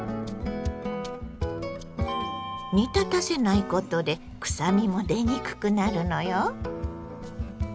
煮立たせないことでくさみも出にくくなるのよ。